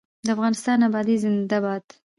د افغانستان ابادي زنده باد.